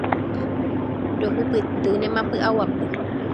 Rohupytýnema py'aguapy.